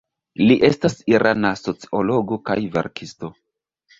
Li estas irana sociologo kaj verkisto.